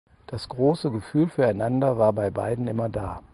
Das große Gefühl füreinander war bei beiden immer da.